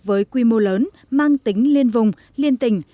với quy mô lớn mang tính liên vùng liên tỉnh